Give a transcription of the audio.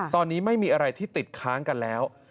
ตอนนี้ไม่มีอะไรที่ติดค้างกันแล้ว